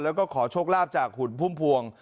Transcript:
แล้วก็ขอโชคลาภจากหุ่นพุ่มพวง